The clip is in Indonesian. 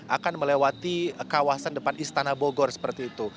akan melewati kawasan depan istana bogor seperti itu